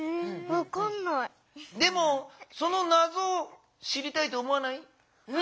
でもそのなぞを知りたいと思わない？